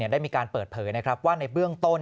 ได้มีการเปิดเผยว่าในเบื้องต้น